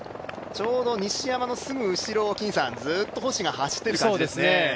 ちょうど西山のすぐ後ろをずっと星が走ってる感じですね。